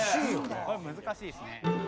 これ難しいですね。